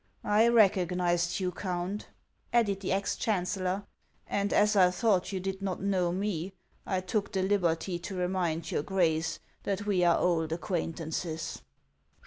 "I recognized you, Count," added the ex chancellor, "and as I thought you did not know me, I took the liberty to remind your Grace that we are old acquaintances."